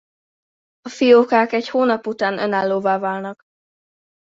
A fiókák egy hónap után önállóvá válnak.